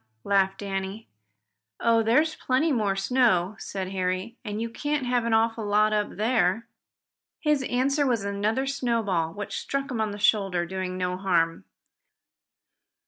laughed Danny. "Oh, there's plenty more snow," said Harry, "and you can't have an awful lot up there." His answer was another snowball, which struck him on the shoulder, doing no harm.